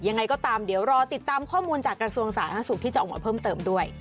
ยังไงก็ตามเดี๋ยวรอติดตามข้อมูลจากกระทรวงสาธารณสุขที่จะออกมาเพิ่มเติมด้วย